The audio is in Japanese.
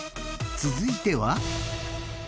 続いては。